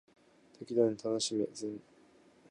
適度に楽しめ全然守れん